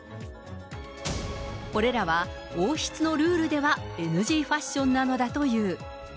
これらは王室のルールではＮＧファッションなのだという。